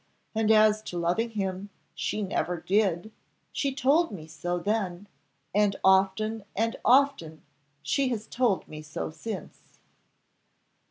And as to loving him, she never did; she told me so then, and often and often she has told me so since."